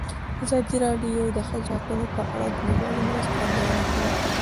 ازادي راډیو د د ښځو حقونه په اړه د نړیوالو مرستو ارزونه کړې.